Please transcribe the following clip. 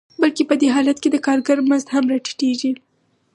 بلکې په دې حالت کې د کارګر مزد هم راټیټېږي